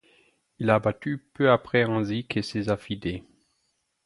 Il est abattu peu après ainsi que ses affidés.